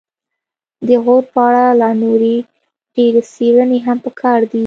د غور په اړه لا نورې ډېرې څیړنې هم پکار دي